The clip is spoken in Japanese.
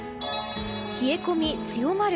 冷え込み強まる。